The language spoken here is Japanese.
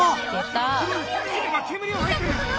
煙を吐いてる！